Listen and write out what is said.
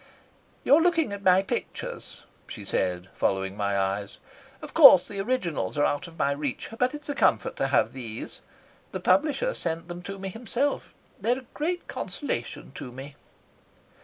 "You're looking at my pictures," she said, following my eyes. "Of course, the originals are out of my reach, but it's a comfort to have these. The publisher sent them to me himself. They're a great consolation to me."